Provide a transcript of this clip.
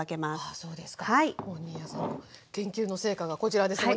新谷さんの研究の成果がこちらですもんね。